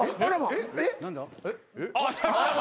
えっ？